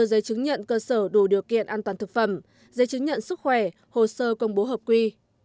giấy chứng nhận cơ sở đủ điều kiện an toàn thực phẩm giấy chứng nhận sức khỏe hồ sơ công bố hợp quy